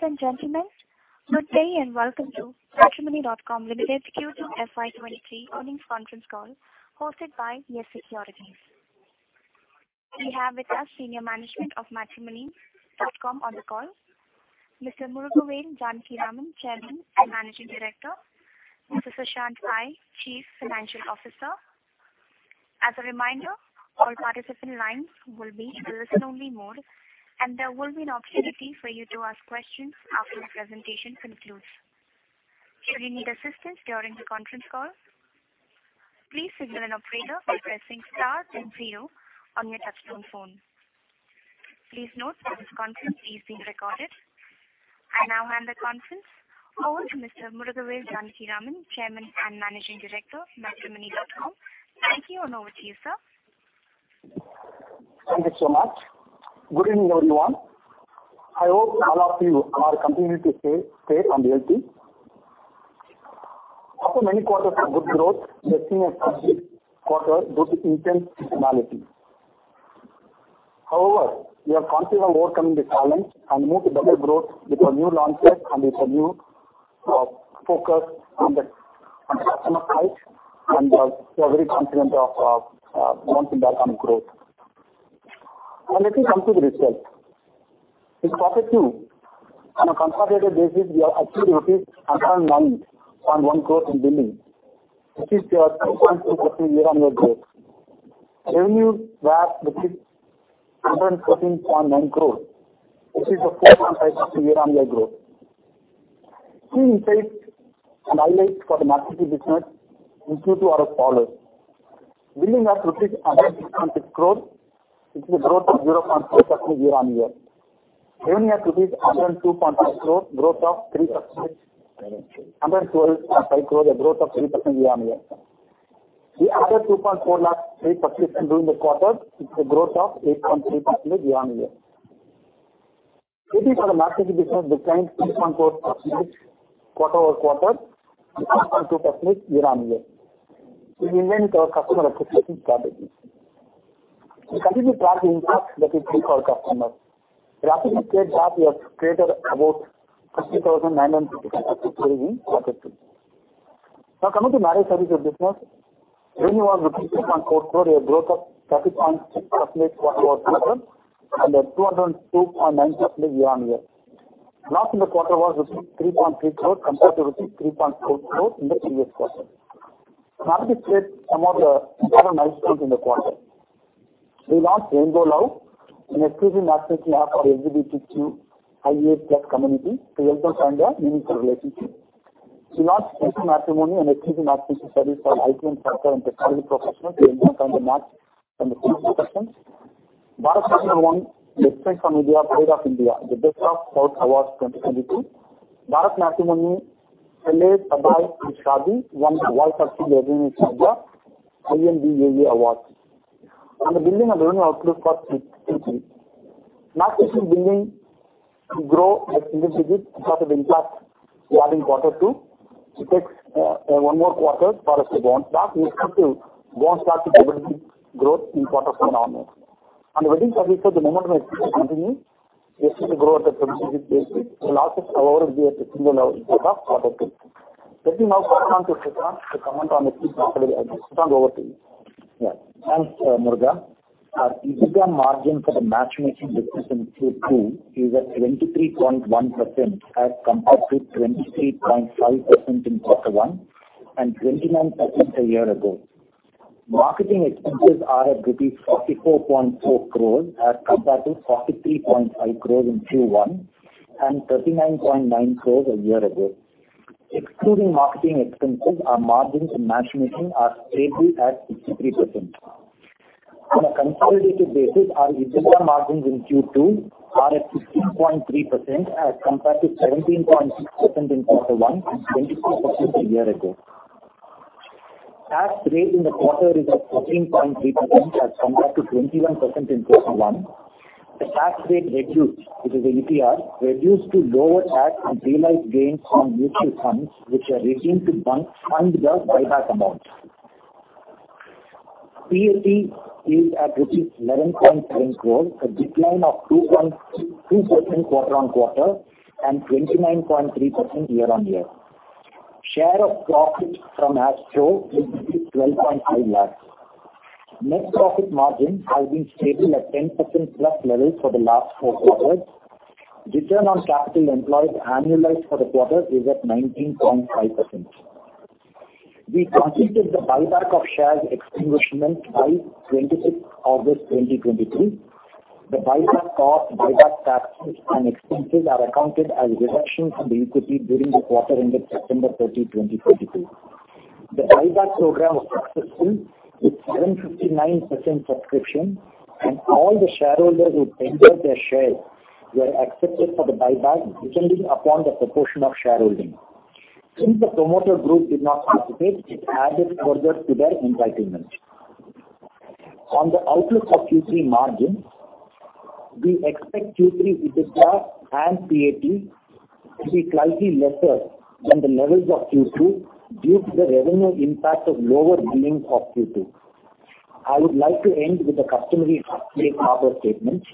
Ladies and gentlemen, good day and welcome to Matrimony.com Limited's Q2 FY2023 earnings conference call hosted by ICICI Securities. We have with us senior management of Matrimony.com on the call. Mr. Murugavel Janakiraman, Chairman and Managing Director. Mr. Sushanth Pai, Chief Financial Officer. As a reminder, all participant lines will be in a listen-only mode, and there will be an opportunity for you to ask questions after the presentation concludes. Should you need assistance during the conference call, please signal an operator by pressing star then zero on your touchtone phone. Please note that this conference is being recorded. I now hand the conference over to Mr. Murugavel Janakiraman, Chairman and Managing Director of Matrimony.com. Thank you, and over to you, sir. Thank you so much. Good evening, everyone. I hope all of you are continuing to stay healthy. After many quarters of good growth, we are seeing a tough quarter due to intense seasonality. However, we are confident of overcoming the challenge and move to double growth with our new launches and with our new focus on the customer side, and we are very confident of bouncing back on growth. Now let me come to the results. In quarter two, on a consolidated basis, we have achieved 109.1 crores rupees in billing. This is a 2.2% year-on-year growth. Revenues were INR 113.9 crores, which is a 4.5% year-on-year growth. Key insights and highlights for the matchmaking business include the following. Billing was INR 106.6 crores. It is a growth of 0.6% year-on-year. Revenue was INR 102.5 crore, growth of 3%. 112.5 crore, a growth of 3% year-on-year. We added 2.4 lakh paid subscriptions during the quarter. It's a growth of 8.3% year-on-year. EBITDA for the matchmaking business declined 6.4% quarter-over-quarter and 2.2% year-on-year. We reinvent our customer acquisition strategies. We continue to drive the impact that we bring for our customers. Let me state that we have created about 50,000 marriage successes in quarter two. Now coming to marriage services business. Revenue was INR 6.4 crore, a growth of 30.6% quarter-over-quarter and at 202.9% year-on-year. Loss in the quarter was 3.3 crores compared to 3.4 crores in the previous quarter. Let me state some of the other milestones in the quarter. We launched RainbowLuv, an exclusive matchmaking app for LGBTQIA+ community to help them find their meaningful relationships. We launched EliteMatrimony, an exclusive matchmaking service for high net worth and professional professionals to enjoy find the match from the pool of their choice. BharatMatrimony won the Pride of India Awards, the Best of Best Awards 2022. Bharat Matrimony's, Adaai, and Shaadi won the WEMA Circle Awards, WEMA awards. On the billing and revenue outlook for Q3. Matchmaking billing to grow at single digits because of impact seen during quarter two. It takes one more quarter for us to bounce back. We expect to bounce back to double-digit growth in quarter four, nine months. On the wedding services, the momentum is expected to continue. We expect to grow at a double-digit pace. The losses, however, will be at a similar level as that of quarter two. Let me now pass on to Sushanth Pai to comment on the key profitability items. Sushanth Pai, over to you. Yeah. Thanks, Muruga. Our EBITDA margin for the matchmaking business in Q2 is at 23.1% as compared to 23.5% in quarter one and 29% a year ago. Marketing expenses are at rupees 44.4 crores as compared to 43.5 crores in Q1 and 39.9 crores a year ago. Excluding marketing expenses, our margins in matchmaking are stable at 63%. On a consolidated basis, our EBITDA margins in Q2 are at 16.3% as compared to 17.6% in quarter one and 22% a year ago. Tax rate in the quarter is at 13.3% as compared to 21% in quarter one. The tax rate reduced, which is ETR, due to lower tax on realized gains on mutual funds which were redeemed to fund our buyback amount. PAT is at rupees 11.7 crores, a decline of 2.2% quarter-on-quarter and 29.3% year-on-year. Share of profit from MatchAstro is 12.5 lakhs. Net profit margin has been stable at 10%+ levels for the last four quarters. Return on capital employed annualized for the quarter is at 19.5%. We completed the buyback of shares extinguishment by August 26th 2023. The buyback cost, buyback taxes and expenses are accounted as reduction from the equity during the quarter ended September 30th 2022. The buyback program was successful with 759% subscription, and all the shareholders who tendered their shares were accepted for the buyback, which ended upon the proportion of shareholding. Since the promoter group did not participate, it added further to their entitlement. On the outlook for Q3 margins, we expect Q3 EBITDA and PAT to be slightly lesser than the levels of Q2 due to the revenue impact of lower billings of Q2. I would like to end with the customary safe harbor statement.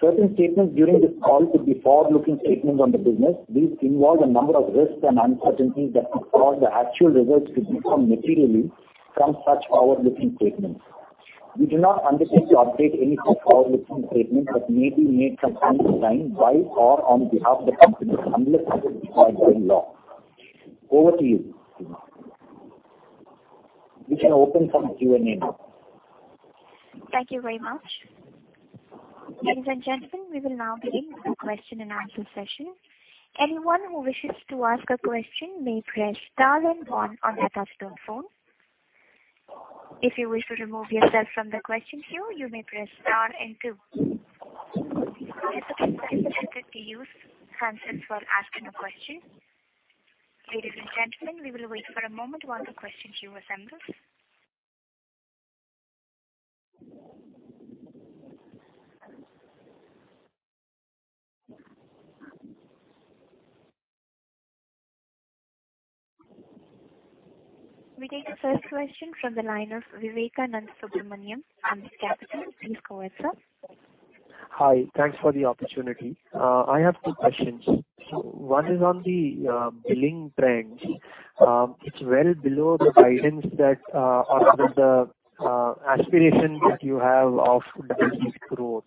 Certain statements during this call could be forward-looking statements on the business. These involve a number of risks and uncertainties that could cause the actual results to differ materially from such forward-looking statements. We do not undertake to update any forward-looking statements that may be made from time to time by or on behalf of the company, unless required by law. Over to you. We can open some Q&A now. Thank you very much. Ladies and gentlemen, we will now begin the question-and-answer session. Anyone who wishes to ask a question may press star then one on their telephone. If you wish to remove yourself from the question queue, you may press star and two. Please again remember to use hands-free while asking a question. Ladies and gentlemen, we will wait for a moment while the question queue assembles. We take the first question from the line of Vivekanand Subbaraman, Ambit Capital. Please go ahead, sir. Hi. Thanks for the opportunity. I have two questions. One is on the billing trends. It's well below the guidance or the aspiration that you have of double-digit growth.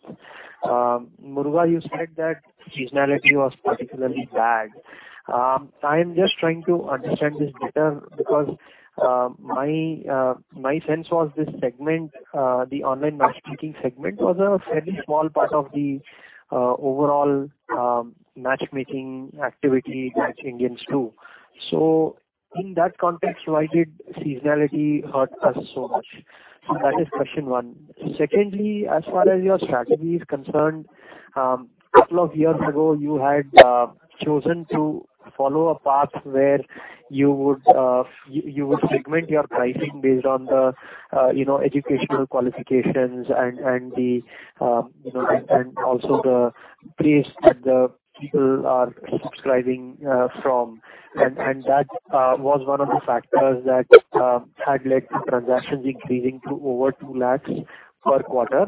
Muruga, you said that seasonality was particularly bad. I am just trying to understand this better because my sense was this segment, the online matchmaking segment was a fairly small part of the overall matchmaking activity that Indians do. In that context, why did seasonality hurt us so much? That is question one. Secondly, as far as your strategy is concerned, couple of years ago, you had chosen to follow a path where you would segment your pricing based on the, you know, educational qualifications and the, you know, and also the place that the people are subscribing from. That was one of the factors that had led to transactions increasing to over two lakhs per quarter.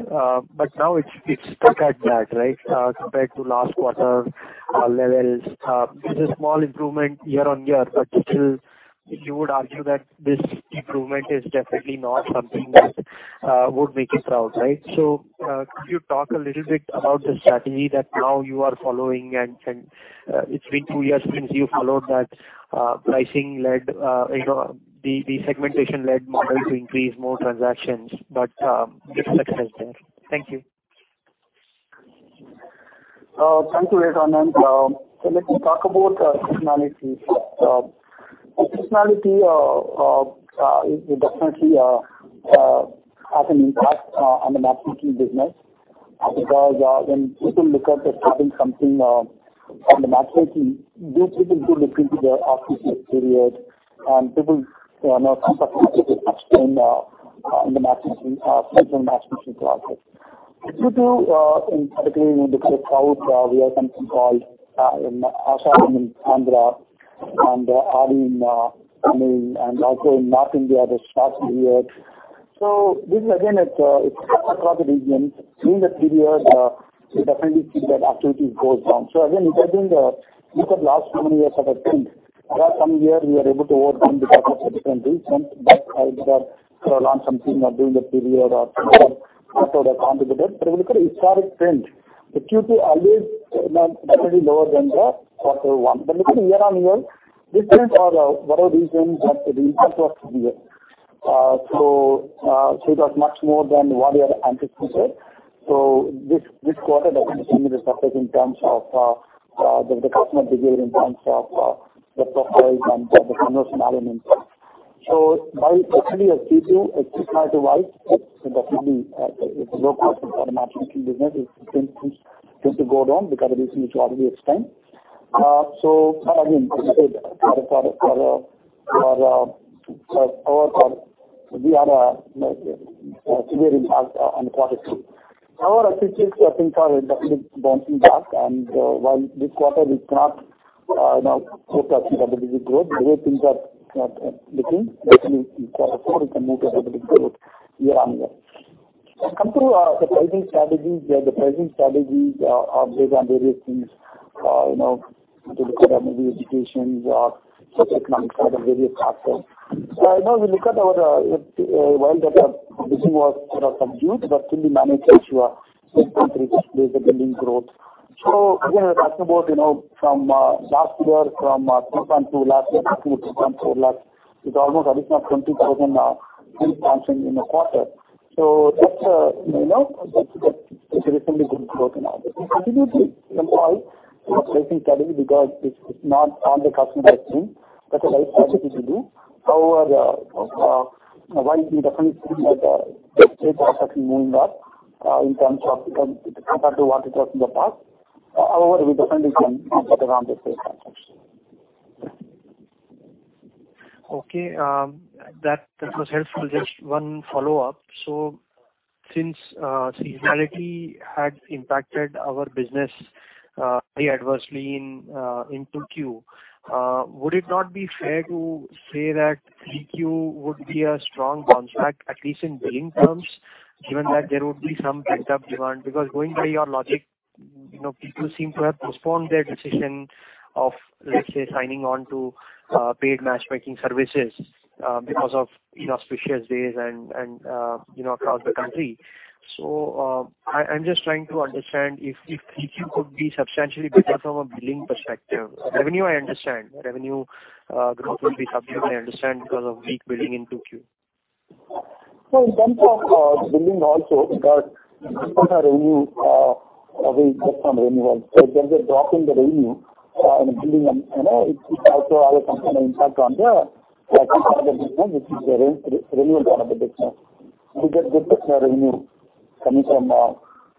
But now it's stuck at that, right? Compared to last quarter levels. There's a small improvement year-on-year, but still you would argue that this improvement is definitely not something that would make you proud, right? Could you talk a little bit about the strategy that now you are following? It's been two years since you followed that pricing-led, you know, the segmentation-led model to increase more transactions, but little success there. Thank you. Thank you, Vivek Anand. Let me talk about seasonality first. The seasonality definitely has an impact on the matchmaking business because when people look at starting something on the matchmaking, these people do look into the auspicious period, and people, you know, come back after the lean in the matchmaking seasonal matchmaking process. Particularly in the South, we have something called Ashadam in Andhra, and the Aadi in Tamil, and also in North India, the Shradh period. This is, again, across the region. During that period, we definitely see that activity goes down. Again, if I take a look at the last so many years of a trend, there are some years we are able to overcome because of different reasons. Either through launching something or during the period or some other factor that contributed. If you look at a historic trend, the Q2 always, you know, definitely lower than the quarter one. Looking year-on-year, this trend for whatever reason that the impact was severe. It was much more than what we had anticipated. This quarter definitely similarly suffered in terms of the customer behavior in terms of the profiles and the conversion elements. We definitely as people, it's black or white. It's definitely it's low part for the matchmaking business. It seems to go down because of reasons which already explained. Again, as I said, the portfolio we had a severe impact on quarter two. However, I think things are definitely bouncing back. While this quarter we cannot hope for double-digit growth, the way things are looking, definitely in quarter four we can move to double-digit growth year on year. Coming to the pricing strategies. The pricing strategies are based on various things. We look at maybe education or socioeconomic status, various factors. We look at our sales data, the team was sort of subdued, but still we managed to increase the billing growth. Again, we're talking about from last year 3.2 lakhs increasing to 3.4 lakhs. It's almost additional 20,000 new additions in a quarter. That's, you know, definitely good growth. You know, we continue to employ this pricing strategy because it's not harmed the customer experience. That's the right thing to do. However, while we definitely see that the state of affairs is moving up, in terms of compared to what it was in the past. However, we definitely can improve around this space, I'm sure. Okay. That was helpful. Just one follow-up. Since seasonality had impacted our business very adversely in 2Q, would it not be fair to say that 3Q would be a strong bounce back, at least in billing terms, given that there would be some pent-up demand? Because going by your logic, you know, people seem to have postponed their decision of, let's say, signing on to paid matchmaking services because of inauspicious days and, you know, across the country. I'm just trying to understand if 3Q could be substantially better from a billing perspective. Revenue, I understand. Revenue growth will be subdued, I understand, because of weak billing in 2Q. In terms of billing also, but in terms of revenue, we get some renewals. There's a drop in the revenue, and the billing and, it's also has some kind of impact on the which is the renewal part of the business. We get good portion of revenue coming from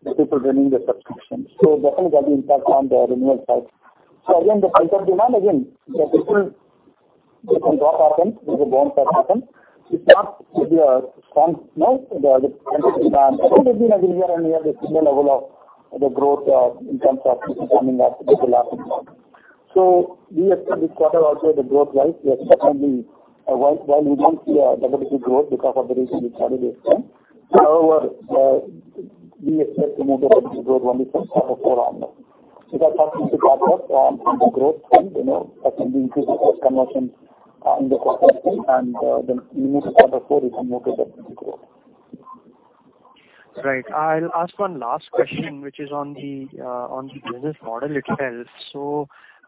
the people renewing their subscriptions. Definitely that impacts on the renewal side. Again, the pent-up demand, if some drop happens, if a bounce back happens, it's not maybe a strong, you know. The pent-up demand has always been, I mean, year-on-year the similar level of the growth, in terms of people coming back to the last involved. We expect this quarter also the growth, right? We are certainly while we won't see a double-digit growth because of the recent challenges faced. However, we expect to move to double-digit growth only from quarter four onwards. If that happens, it happens. From the growth front, you know, that can be increased. First, conversion in the first half and then into quarter four we can move to double-digit growth. Right. I'll ask one last question, which is on the business model itself.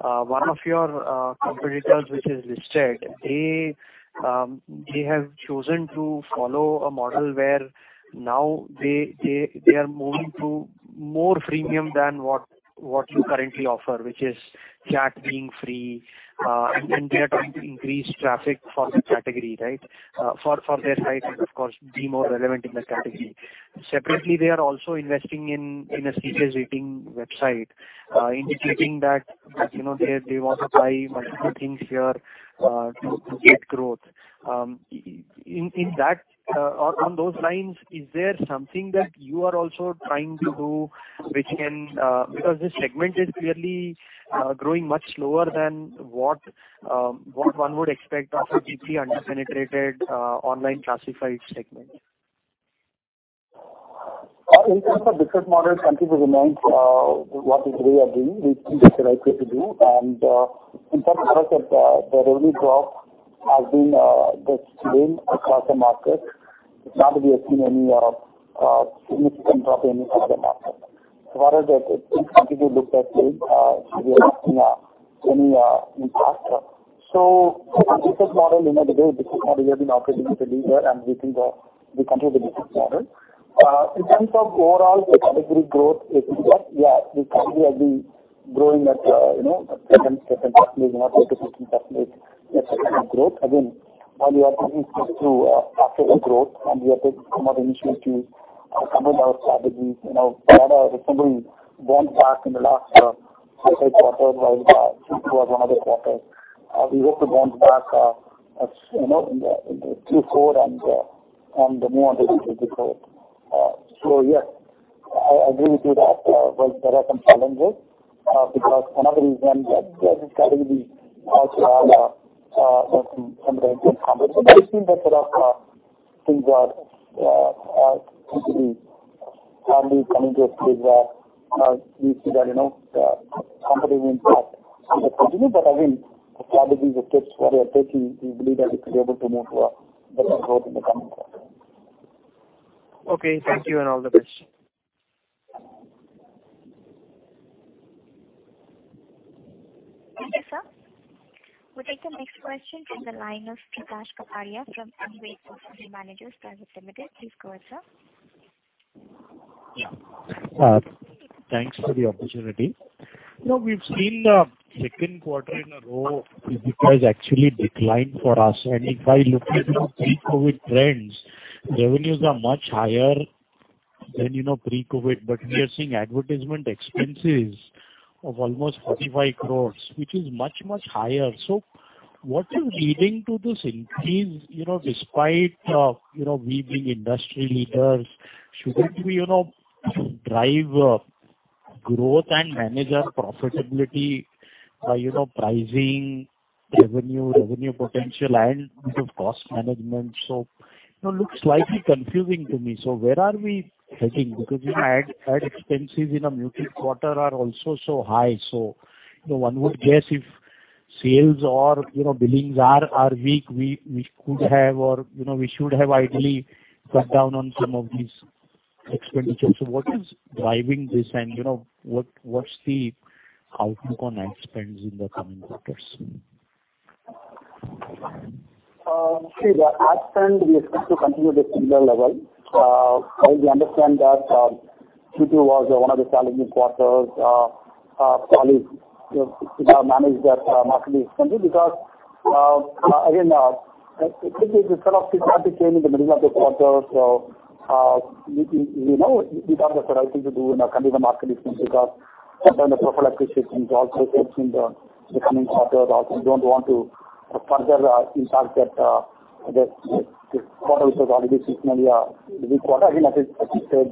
One of your competitors which is listed, they have chosen to follow a model where now they are moving to more freemium than what you currently offer, which is chat being free. They are trying to increase traffic for the category, right, for their site and of course be more relevant in the category. Separately, they are also investing in a serious dating website, indicating that you know they want to try multiple things here to get growth. In that, or on those lines, is there something that you are also trying to do which can, because this segment is clearly growing much slower than what one would expect of a deeply under-penetrated online classified segment? In terms of business model, we continue to remain what we are doing. We think it's the right way to do. In terms of the revenue drop has been the same across the market. It's not that we have seen any significant drop in any part of the market. As far as I think we continue to look at things, we are not seeing any impact. From business model, you know, the business model we have been operating as a leader and we think we continue the business model. In terms of the overall category growth, if you ask, yeah, we probably have been growing at, you know, 7%, 8%-15% year-over-year growth. Again, while we are taking this through faster growth and we are taking some other initiatives, some of our strategies, you know, there are recently bounced back in the last several quarters, while Q2 was one of the quarters. We hope to bounce back, as you know, in the Q4 and more into digital growth. Yes, I agree with you that, well, there are some challenges because one of the reasons that this category is also under some regulatory conversations. We think that sort of things are quickly coming to a stage where we see that, you know, the company will have to continue. Again, the strategies, the steps what we are taking, we believe that we should be able to move to a better growth in the coming quarters. Okay, thank you and all the best. Thank you, sir. We'll take the next question from the line of Prakash Kapadia from Anived Portfolio Managers Private Limited. Please go ahead, sir. Yeah. Thanks for the opportunity. You know, we've seen the second quarter in a row, EBITDA has actually declined for us. If by looking at pre-COVID trends, revenues are much higher than, you know, pre-COVID. We are seeing advertisement expenses of almost 45 crore, which is much, much higher. What is leading to this increase, you know, despite, you know, we being industry leaders, shouldn't we, you know, drive, growth and manage our profitability by, you know, pricing revenue potential and cost management? You know, looks slightly confusing to me. Where are we heading? Ad expenses in a muted quarter are also so high. One would guess if sales or, you know, billings are weak, we could have or, you know, we should have ideally cut down on some of these expenditures. What is driving this? You know, what's the outlook on ad spends in the coming quarters? See the ad spend, we expect to continue at a similar level. While we understand that Q2 was one of the challenging quarters for matrimony to manage that market differently because again it could be the sort of dramatic change in the middle of the quarter. We know we done the right thing to do and continue the market different because sometimes the prophylactic decisions also helps in the coming quarter. Also don't want to further impact that this quarter which was already seasonally a weak quarter. Again, as I said,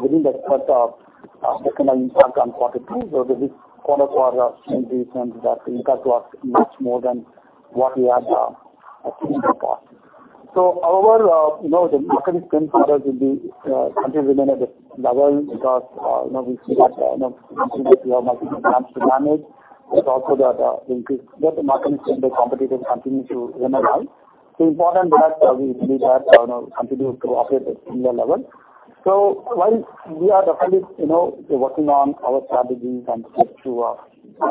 within the first second impact on quarter two. The weak quarter for matrimony and that impact was much more than what we had assumed for. Overall, you know, the marketing spend for us will continue to remain at this level because, you know, we still have, you know, significant amount of brands to manage. It's also that the marketing spend, the competition continues to remain high. Important that we believe that, you know, continue to operate at similar level. While we are definitely, you know, working on our strategies and steps to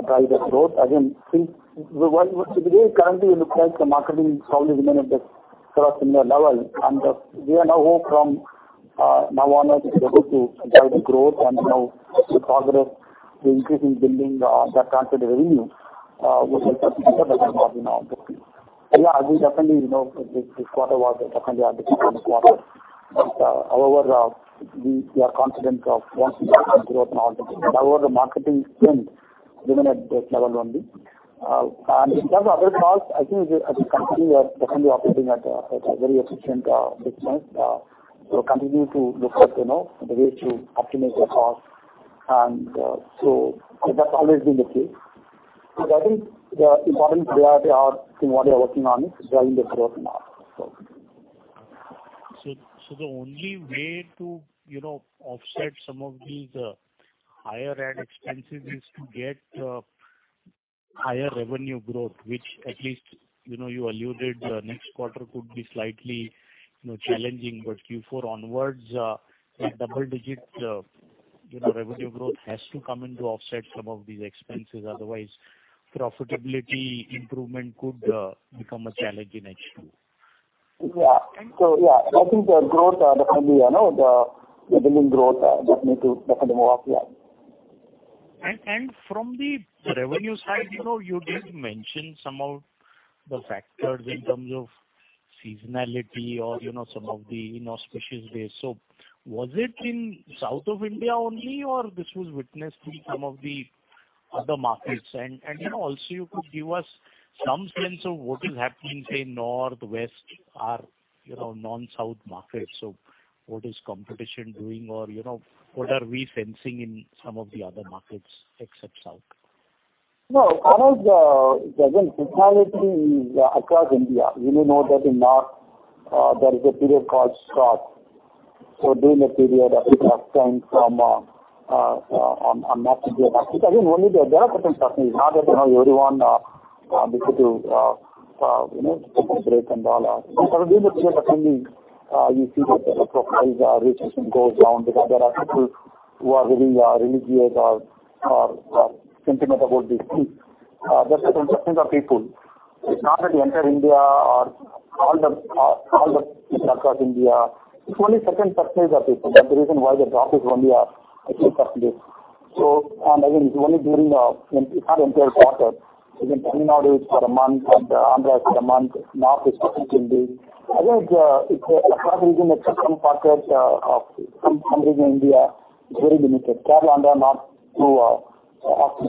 drive the growth. Today currently it looks like the marketing probably remain at the sort of similar level. We now hope from now onwards to be able to drive the growth and, you know, the progress, the increase in building that translate to revenue will help us recover that margin opportunity. Yeah, I think definitely, you know, this quarter was definitely a difficult quarter. However, we are confident of once we drive the growth and all that. However, the marketing spend remain at this level only. In terms of other costs, I think as a company we are definitely operating at a very efficient business. Continuing to look at, you know, the ways to optimize the cost and, that's always been the case. I think the important for us are in what we are working on is driving the growth now. The only way to, you know, offset some of these higher ad expenses is to get higher revenue growth. Which at least, you know, you alluded the next quarter could be slightly, you know, challenging. Q4 onwards, like double digits, you know, revenue growth has to come in to offset some of these expenses. Otherwise profitability improvement could become a challenge in H2. Yeah. Yeah, I think the growth definitely, you know, the revenue growth definitely move up, yeah. From the revenue side, you know, you did mention some of the factors in terms of seasonality or, you know, some of the inauspicious days. Was it in south of India only, or this was witnessed in some of the other markets? You know, also you could give us some sense of what is happening, say north, west or, you know, non-south markets. What is competition doing or, you know, what are we sensing in some of the other markets except south? No, I know the seasonality is across India. You may know that in north there is a period called Shradh. During that period people abstain from on not to do that. There are certain customers, not that you know everyone decide to you know take a break and all. During that period definitely you see that the profiles reach goes down because there are people who are really religious or sentimental about these things. That's a certain section of people. It's not that entire India or all the people across India. It's only certain sections of people. That's the reason why the drop is only a few%. Again, it's only during, it's not entire quarter. It's Aadi nowadays for a month and Ashadam for a month. Again, it's across regions, certain pockets of some Hindus in India. It's very limited. Kerala and Andhra not too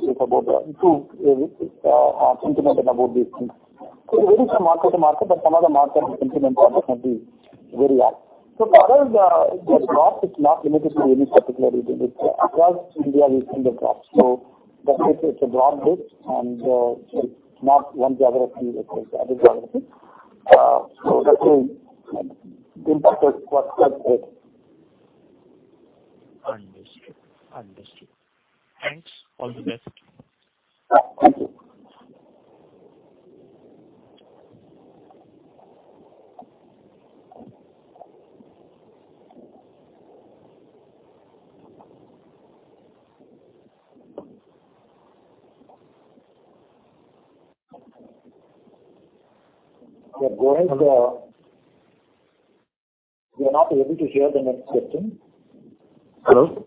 sentimental about these things. It varies from market to market, but some of the markets the sentiments are definitely very high. For us, the drop is not limited to any particular region. It's across India we've seen the drop. That's it. It's broad-based, and it's not one geography versus the other geography. That is the impact we felt. Understood. Thanks. All the best. Yeah. Goa is. We're not able to hear the next question. Hello?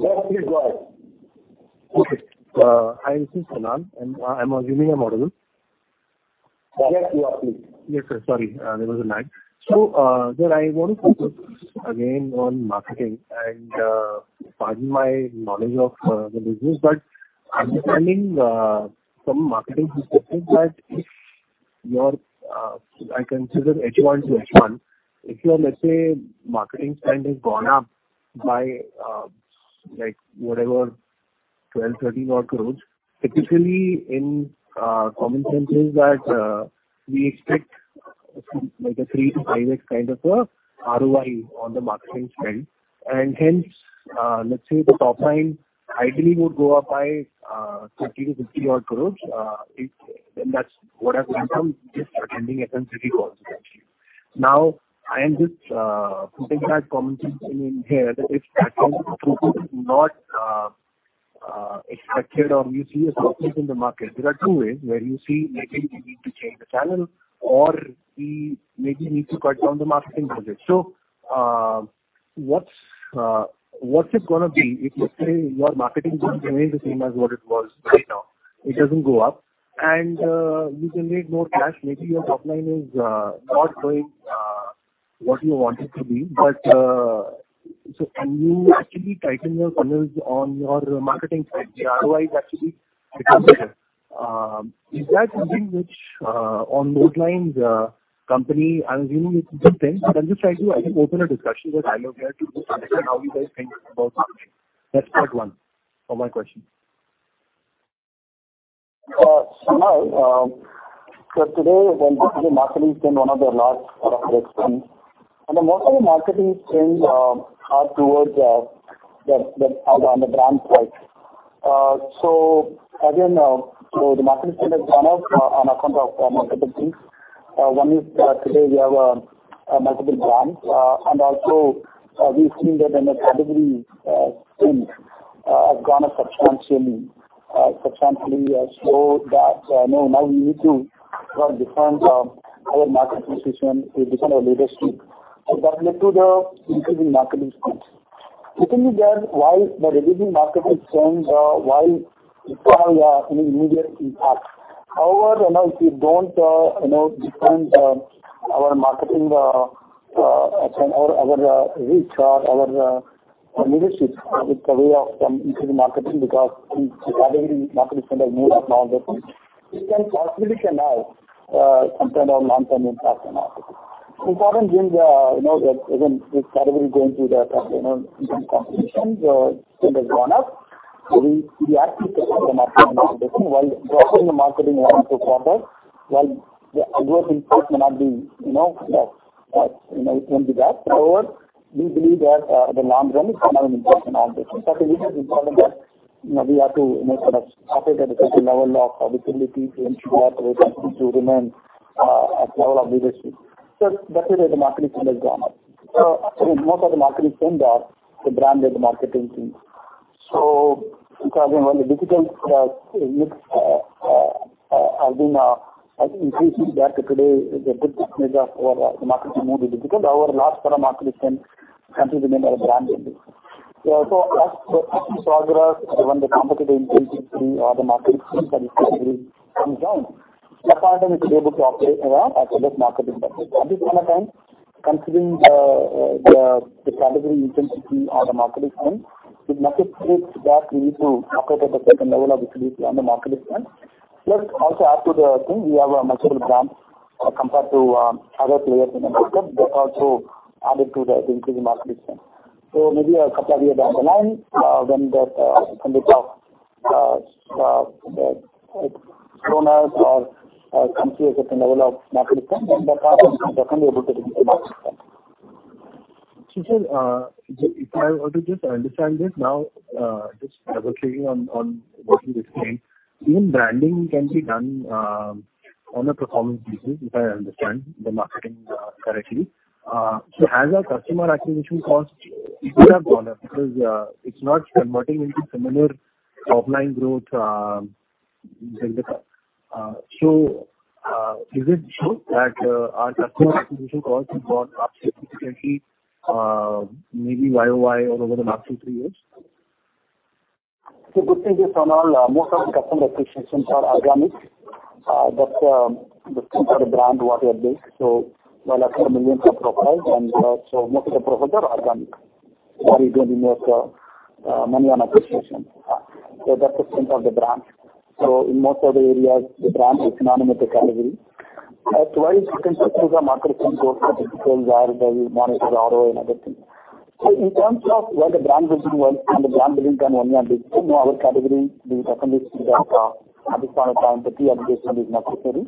Yes, please go ahead. Okay. Hi, this is Salan, and I'm a JM Financial. Yes, you are. Please. Yes, sir. Sorry, there was a lag. Sir, I want to focus again on marketing and, pardon my knowledge of the business, but understanding some marketing perspectives that if you're considering H1-H1, your, let's say, marketing spend has gone up by, like whatever INR 12 odd crores-INR 13 odd crores, typically, common sense is that, we expect some like a 3x-5x kind of a ROI on the marketing spend. Hence, let's say the top line ideally would go up by, 50 odd crores- INR 60 odd crores. And then that's what has been. Just attending a sensitivity call essentially. Now, I am just putting that common sense in here that if that is not expected or you see a softness in the market, there are two ways where you see maybe we need to change the channel or we maybe need to cut down the marketing budget. What's it gonna be if let's say your marketing budget remains the same as what it was right now, it doesn't go up and you generate more cash. Maybe your top line is not going up. What you want it to be. Can you actually tighten your funnels on your marketing side? The ROI is actually, is that something which, on those lines, company I'm assuming it's a good thing, but I'm just trying to, I think, open a discussion that I look at to just understand how you guys think about it. That's part one of my question. Today, when digital marketing spend is one of the largest and then most of the marketing spends are towards the brand side. The marketing spend has gone up on account of multiple things. One is, today we have multiple brands. And also, we've seen that in a category, spends have gone up substantially. Substantially, so that now we need to run different our marketing precisely to different leaders too. That led to the increase in marketing spends. You can guess why reducing marketing spends will have an immediate impact. However, you know, if you don't differentiate our marketing reach or our leadership with the wave of increased marketing because in-category marketing spend has moved up now a bit. It can possibly have some kind of long-term impact on our business. Important things, you know, that even this category going through the kind of intense competition, spend has gone up. We actually prefer the marketing spend. While dropping the marketing spend proper, while the output/input may not be, it won't be bad. However, we believe that in the long run it's gonna have an impact on our business. We have been told that, you know, we have to, you know, sort of operate at a certain level of visibility to ensure our ability to remain at level of leadership. That's why the marketing spend has gone up. Most of the marketing spend are the brand led marketing teams. Because when the digital mix has been increasing that today the good percentage of our marketing move to digital. However, large part of marketing spend continues to remain our brand building. As we progress when the competitive intensity or the marketing spend category comes down, that's why then we will be able to operate, you know, at a less marketing budget. At this point of time, considering the category intensity or the marketing spend, it necessitates that we need to operate at a certain level of visibility on the marketing spend. Plus also add to the thing, we have multiple brands compared to other players in the market that also added to the increase in marketing spend. Maybe a couple year down the line, when the top line or growth comes to a certain level of marketing spend, then that time we will definitely be able to reduce the marketing spend. If I were to just understand this now, just double checking on what you just said. Even branding can be done on a performance basis, if I understand the marketing correctly. Has our customer acquisition cost really gone up because it's not converting into similar offline growth delta? Is it true that our customer acquisition costs have gone up significantly, maybe year-over-year or over the last two, three years? The good thing is Sonal, most of the customer acquisitions are organic. That's the strength of the brand what we are building. While acquiring millions of profiles and, most of the profiles are organic. What we don't make money on acquisitions. That's the strength of the brand. In most of the areas, the brand is synonymous with category. That's why you can see through the marketing source that it shows where we monitor ROI and other things. In terms of where the brand building was and the brand building can only happen. You know our category, we definitely see that, at this point of time, the paid acquisition is necessary.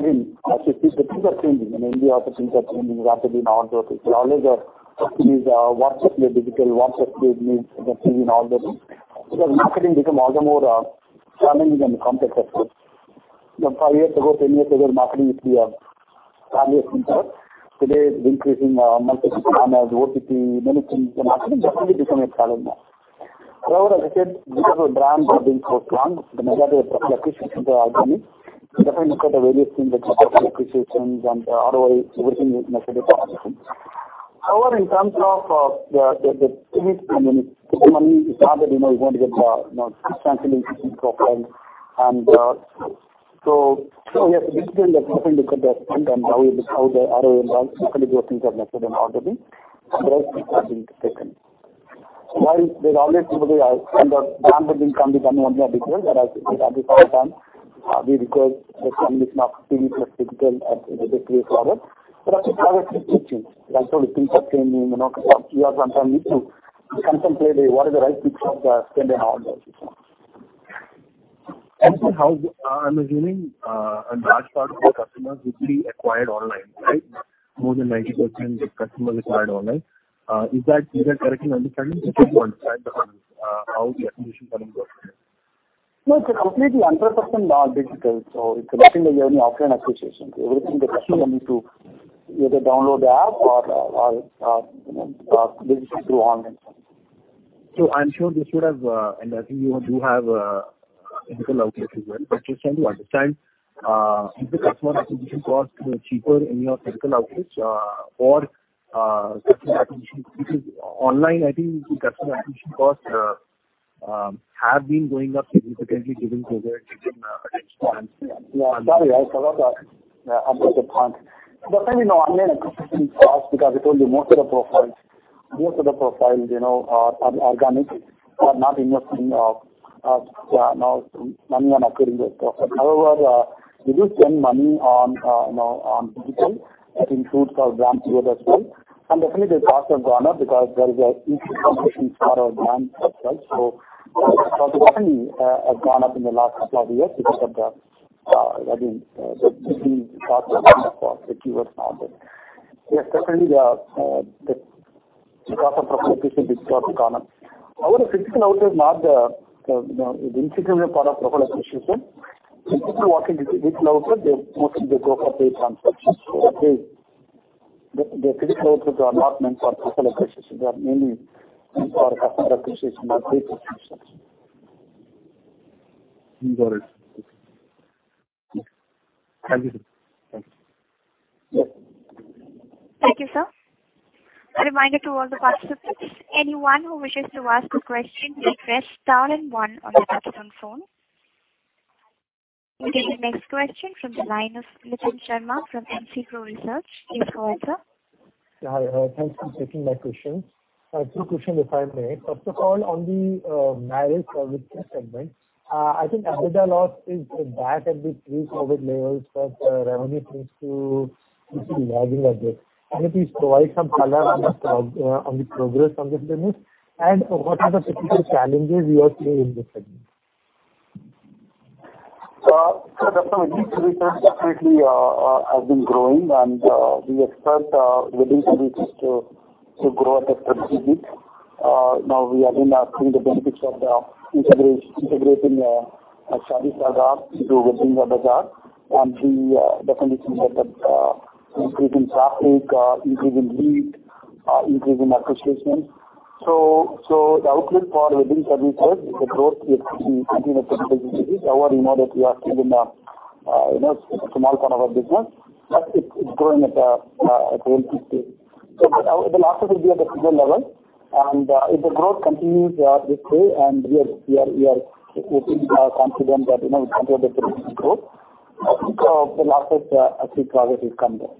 Again, as you see the things are changing. In India also things are changing rapidly in all the It's always a companies. WhatsApp made digital. WhatsApp create new thing in all the things. Because marketing become also more challenging and complex as well. You know, five years ago, 10 years ago, marketing was TV plus. Today it's increasingly multiple channels, OTT, many things. Marketing definitely become a challenge now. However, as I said, because our brands are being so strong, the majority of customer acquisition are organic. Definitely look at the various things like digital acquisitions and ROI. Everything is necessary for acquisition. However, in terms of the TV spend, when it's putting money, it's not that, you know, you're going to get, you know, 600 million profiles and. We have to understand the difference. Look at that spend and how the ROI and basically those things are necessary in order to. The right mix has been taken. While there's always going to be, and the brand building can be done only on digital. As you said, every time, we require the combination of TV plus digital at, you know, different product. Actually things have changed. Like I told you, things are changing. You know, we are sometimes need to contemplate what is the right mix of spend in all those systems. I'm assuming a large part of your customers would be acquired online, right? More than 90% of customers acquired online. Is that correct in understanding? Or can you understand how the acquisition funnel works here? No, it's completely 100% all digital. It's nothing like we have any offline acquisitions. Everything the customer need to either download the app or you know visit through online channels. I'm sure this would have, and I think you do have physical outlets as well. I'm just trying to understand if the customer acquisition costs were cheaper in your physical outlets, or customer acquisition. Online, I think the customer acquisition costs have been going up significantly given COVID- Yeah, that is right. That's a good point. You know, again, it could have been for us because we told you most of the profiles are organic, are not investing money on acquiring those profiles. However, we do spend money on digital. That includes our brand deals as well. Definitely the costs have gone up because there is an increased competition for our brand profiles. Costs definitely have gone up in the last couple of years because of the, I mean, the costs have gone up for the keywords and all that. Yes, definitely the cost of acquisition is quite common. However, physical outlet is not the integral part of profile acquisition. People walking into physical outlet, they mostly go for paid transactions. The physical outlets are not meant for profile acquisition. They are mainly meant for customer acquisition or paid transactions. Got it. Thank you, sir. Thank you. Yeah. Thank you, sir. A reminder to all the participants, anyone who wishes to ask a question, please press star and one on your touch-tone phone. We'll take the next question from the line of Vipin Sharma from MC Pro Research. Please go ahead, sir. Yeah. Thanks for taking my questions. Two questions, if I may. First of all, on the marriage service segment, I think after the lockdown it's back at the pre-COVID levels, but revenue seems to be lagging a bit. Can you please provide some color on the progress on this segment, and what are the particular challenges you are seeing in this segment? First of all, this segment definitely has been growing and we expect wedding services to grow at a steady speed. Now we are again seeing the benefits of the integration of ShaadiSaga into WeddingBazaar.com. We definitely seeing that the increase in traffic, increase in lead, increase in acquisitions. So the outlook for wedding services, the growth we expect to continue at steady speed. However, you know that we are still in a small part of our business, but it's growing at a healthy speed. So the losses will be at a similar level. If the growth continues this way, and we feel confident that, you know, we can deliver sustainable growth. I think the losses. I think progress will come back.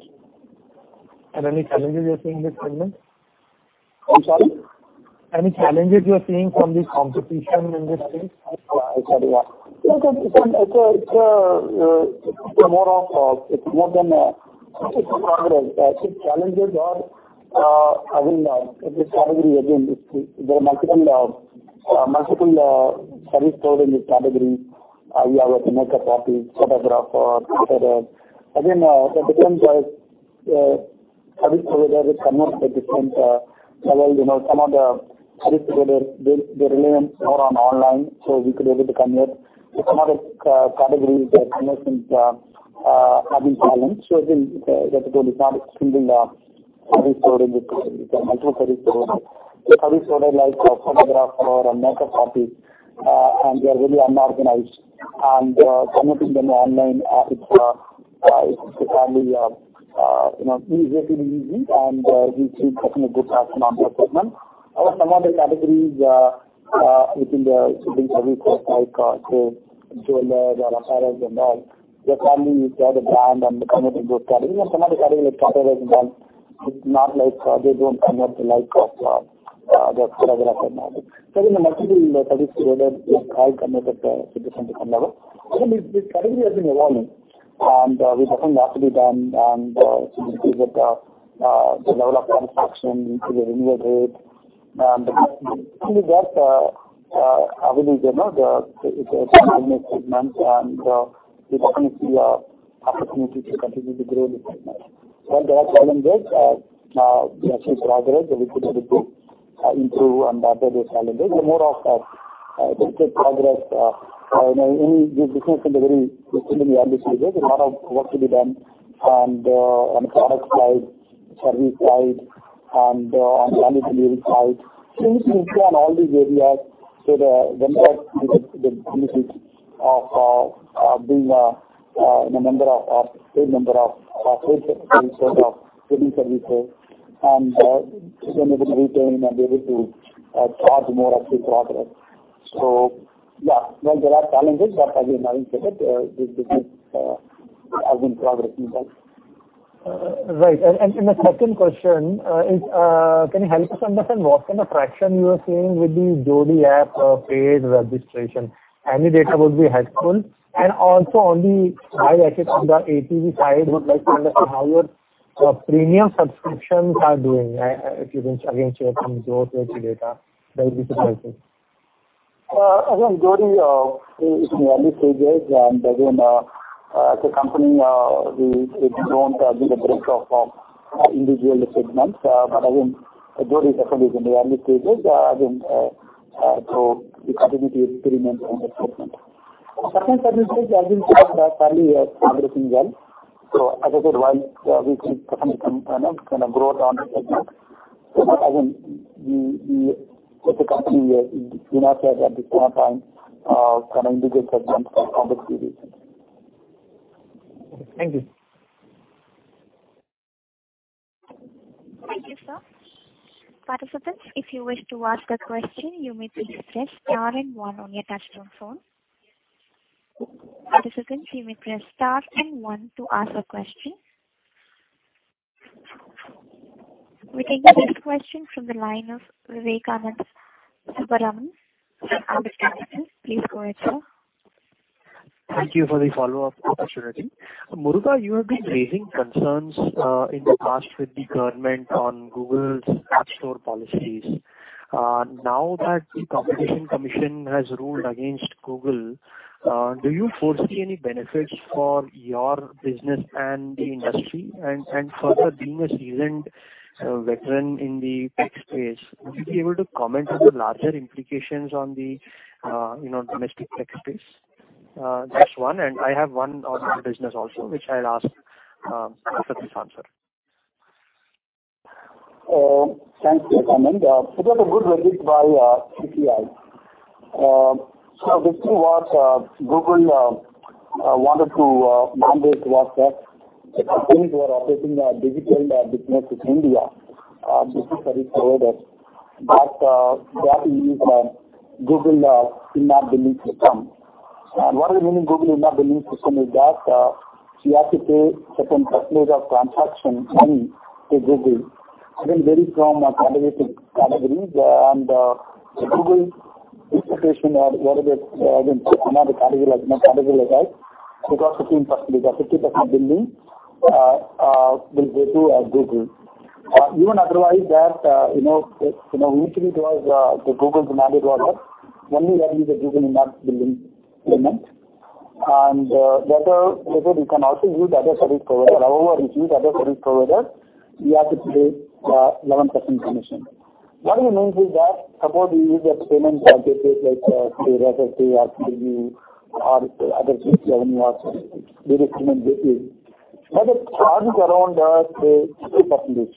Any challenges you're seeing in this segment? I'm sorry? Any challenges you are seeing from the competition in this space? Oh, sorry. Yeah. No, competition, it's more of a process. I think challenges are. I mean, this category again is there are multiple service providers in this category. We have a makeup artist, photographer, et cetera. Again, the different service providers come up at different level. You know, some of the service providers, they rely more on online, so we were able to convert. Some other categories, the conversions have been challenged. Again, like I told you, it's not a single service provider. It's a multiple service provider. Service provider like a photographer or a makeup artist, and they are really unorganized. Converting them online, it's fairly, you know, relatively easy and we see definitely good traction on that segment. However, some other categories within the wedding services like, say, jeweler or apparel and all, they're fairly established brands and they convert a good category. Some other categories like brands, it's not like they don't convert the likes of the photographer and all. Again, the multiple service providers try to convert at a different level. Again, this category has been evolving and we definitely have to do more and to increase the level of transactions, increase the renewal rate. I believe you know it's a growing segment and we definitely see opportunity to continue to grow in this segment. While there are challenges, we are seeing progress and we feel that we improve and adapt those challenges. They're more of, let's say, progress you know any new business still in the early stages. There's a lot of work to be done and on the product side, service side, and on the engineering side. We need to improve on all these areas so the vendors get the benefits of being in a great number of wedding services and to enable to retain and be able to charge more actually progress. Yeah, while there are challenges, but I will navigate. This business has been progressing well. Right. The second question is, can you help us understand what kind of traction you are seeing with the Jodii app, paid registration? Any data would be helpful. Also on the high-end of the ARPU side, would like to understand how your premium subscriptions are doing. If you can again share some growth or the data, that would be appreciated. Again, Jodii is in early stages and again, as a company, we don't give a breakdown of individual segments. Again, Jodii definitely is in the early stages. Again, we continue to experiment and test it. Second segment is, as you said, fairly progressing well. As I said, while we think definitely some, you know, kind of growth on that segment. Again, we as a company do not share at this point of time kind of individual segments for public view reasons. Okay, thank you. Thank you, sir. Participants, if you wish to ask a question, you may please press star and one on your touchtone phone. Participants, you may press star and one to ask a question. We can take question from the line of Vivekanand Subbaraman from Ambit Capital. Please go ahead, sir. Thank you for the follow-up opportunity. Muruga, you have been raising concerns in the past with the government on Google's App Store policies. Now that the Competition Commission of India has ruled against Google, do you foresee any benefits for your business and the industry? Further, being a seasoned veteran in the tech space, would you be able to comment on the larger implications on the, you know, domestic tech space? That's one. I have one on the business also, which I'll ask after this answer. Thanks, Vivekanand Subbaraman. It was a good verdict by CCI. The thing was, Google wanted to mandate was that the companies who are operating digital business in India, this is a service provider that means Google in-app billing system. What do you mean Google in-app billing system is that you have to pay certain percentage of transaction money to Google. It will vary from category to category. Google's interpretation or whatever, again, I'm not a lawyer, like, you know, category like that. It was 15%. The 50% billing will go to Google. Even otherwise that, you know, usually it was Google's mandate was that only we are using the Google in-app billing payment. Later you can also use other service provider. However, if you use other service provider, you have to pay 11% commission. What he means is that suppose we use a payment aggregator like, say, Razorpay or PayU or other six-seven who also do the payment gateway. But that charges around, say, 2%.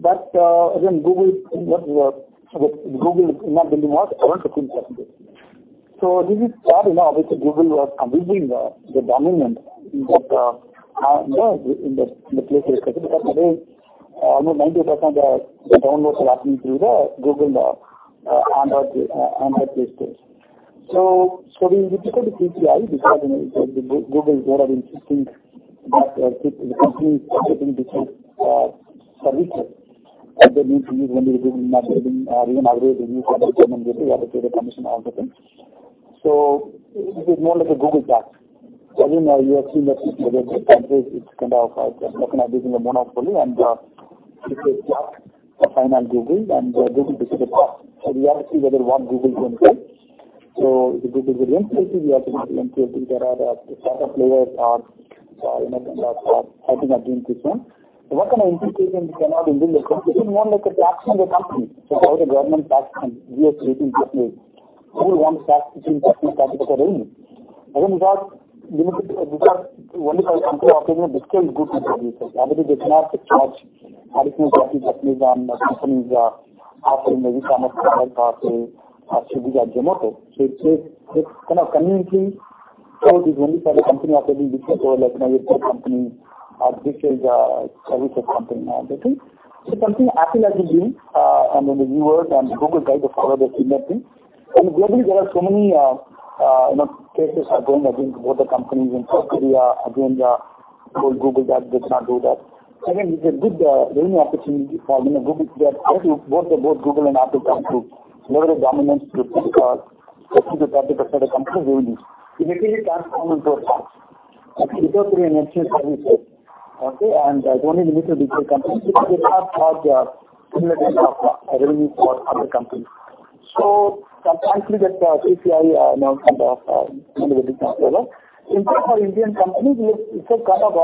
But again, Google in-app billing was 11%-15%. This is part, you know, obviously Google was completely the dominant in that in the Play Store space, because today almost 90% of the downloads are happening through the Google Android Play stores. It will be difficult due to CCI because, you know, Google is rather insistent on this, companies offering digital services that they need to use only Google in-app billing or even otherwise they use other payment gateway, you have to pay the commission, all those things. This is more like a Google tax. You have seen that in other countries, it's kind of, you know, recognized as a monopoly and, it's a tax, a fine on Google and Google takes the tax. We have to see what Google can take. If Google will implement it, we have to implement it. There are other players, you know, kind of fighting against this one. Whatever the implementation, we have to do this. This is more like a tax on the company. How the government tax comes, we are paying 15%. Who will want to tax 15%-20% of the revenue? Again, because only for the company operating digital goods category, obviously they cannot charge e-commerce companies and companies operating maybe some software or SaaS or Zomato. It's kind of conveniently, it is only for the company operating digital or like an ESP company or digital services company and all that things. Apple has been doing, I mean, the EU and Google tried to follow the similar thing. Globally there are so many, you know, cases going against both the companies in South Korea against Apple and Google that does not do that. Again, it's a good learning opportunity for, you know, Google to have both Google and Apple come to lower the dominance to 20%-30% of company revenue. It actually transform into a tax. Actually, because we are an essential services. It's only limited to digital companies because they cannot charge similar type of revenue for other companies. I'm thankful that CCI now kind of made a good call. In fact, for Indian companies, we paid 13% of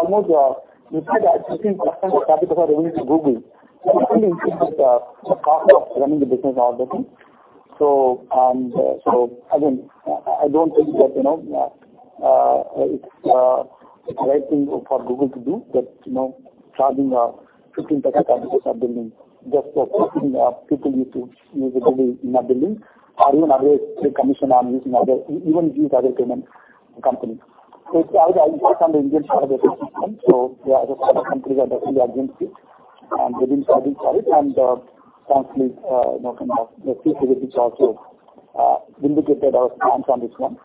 30% of our revenue to Google. This only improves the cost of running the business, all that things. I don't think that, you know, it's a right thing for Google to do that, you know, charging 15% of in-app billing just for keeping people to use the Google in-app billing or even otherwise take commission on using other payment company. It's also an impact on the Indian startup ecosystem. There are other startup companies are definitely against it, and they've been fighting for it. Thankfully, you know, kind of the CCI gave the charge to vindicate our stance on this one.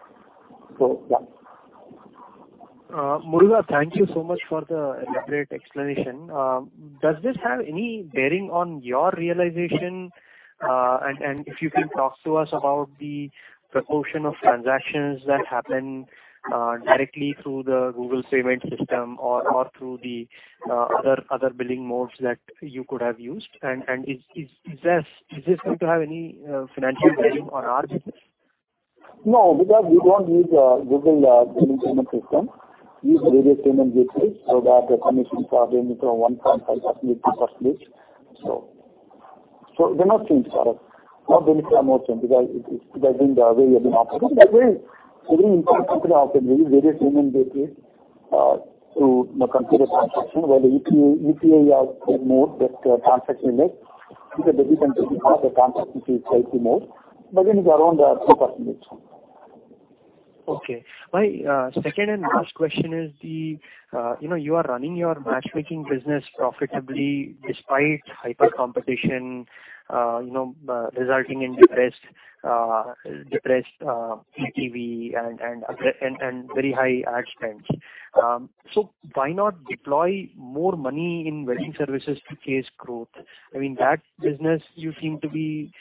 Yeah. Murugavel Janakiraman, thank you so much for the elaborate explanation. Does this have any bearing on your realization? If you can talk to us about the proportion of transactions that happen directly through the Google payment system or through the other billing modes that you could have used. Is this going to have any financial bearing on our business? No, because we don't use Google billing payment system. We use various payment gateways, so that the commissions are ranging from 1.5% to 2%. There are no change for us. No benefit or no change because being the way we have been operating. By the way, every Indian company operating various payment gateways to complete a transaction, whether UPI or more, that transaction we make. We can definitely complete all the transactions through UPI mode. Again, it's around 2%. Okay. My second and last question is, you know, you are running your matchmaking business profitably despite hyper competition, you know, resulting in depressed EBITDA and very high ad spends. Why not deploy more money in wedding services to chase growth? I mean, that business you seem to be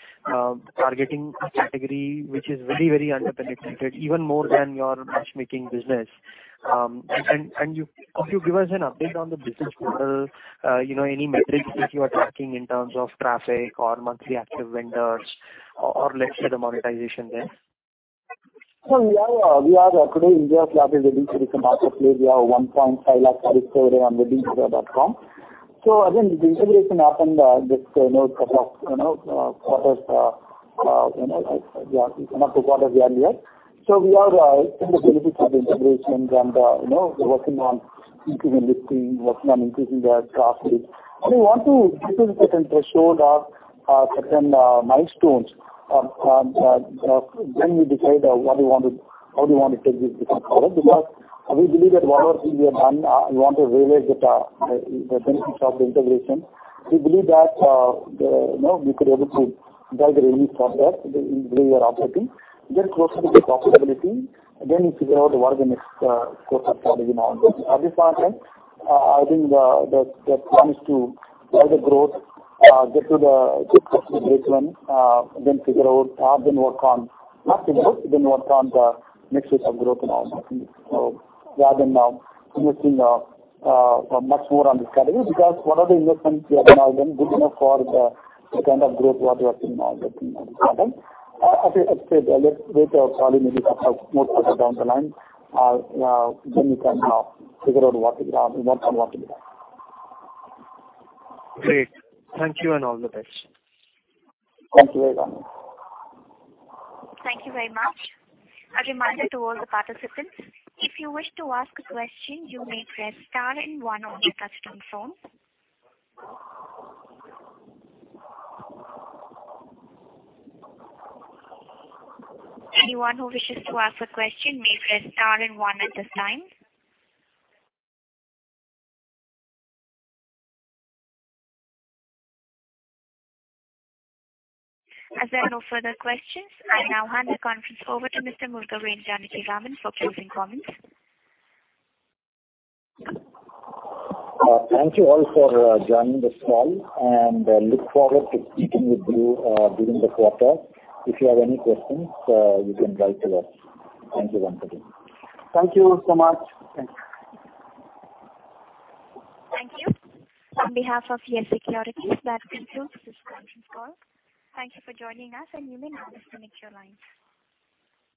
targeting a category which is very, very underpenetrated, even more than your matchmaking business. Could you give us an update on the business model, you know, any metrics that you are tracking in terms of traffic or monthly active vendors or, let's say, the monetization there? We are today India's largest wedding services marketplace. We have 1.5 lakh products today on WeddingBazaar.com. Again, the integration happened just you know couple of you know quarters you know yeah in the two quarters earlier. We are in the benefit of the integration and you know working on increasing listing, working on increasing the traffic. We want to get to the certain threshold or certain milestones of when we decide what we want to how do we want to take this business forward. Because we believe that whatever we have done we want to realize the the benefits of the integration. We believe that the you know we could able to drive the revenue from that. We believe we are operating. Get closer to the profitability, then figure out what is the next course of strategy moving on. At this point in time, I think the plan is to drive the growth, get to the breakeven, then figure out, then work on profitability, then work on the next phase of growth and all that. Rather than investing much more on this category, because whatever investments we have now done good enough for the kind of growth what we are seeing now. As we say, let's wait or probably maybe talk more further down the line, then we can figure out what to be done. Great. Thank you and all the best. Thank you very much. Thank you very much. A reminder to all the participants, if you wish to ask a question, you may press star and one on your touchtone phone. Anyone who wishes to ask a question may press star and one at this time. As there are no further questions, I now hand the conference over to Mr. Murugavel Janakiraman for closing comments. Thank you all for joining this call and look forward to speaking with you during the quarter. If you have any questions, you can write to us. Thank you once again. Thank you so much. Thanks. Thank you. On behalf of ICICI Securities, that concludes this conference call. Thank you for joining us, and you may now disconnect your lines.